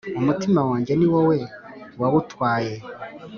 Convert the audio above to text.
umutima wanjye ni wowe wawutwaye